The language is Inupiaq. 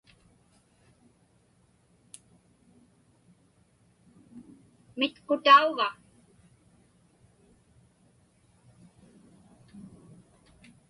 Mitqutauva?